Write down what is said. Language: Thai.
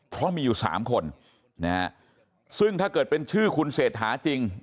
เพราะมีอยู่สามคนนะฮะซึ่งถ้าเกิดเป็นชื่อคุณเศรษฐาจริง